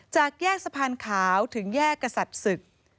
จากแยกสะพานขาวถึงแยกกษัตริย์ศึก